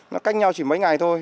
nó canh nhau chỉ mấy ngày thôi